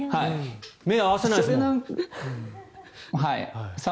目を合わせないですもん。